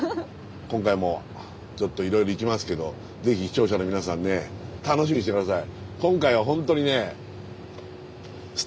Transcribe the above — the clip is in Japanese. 今回もちょっといろいろ行きますけどぜひ視聴者の皆さんね楽しみにして下さい。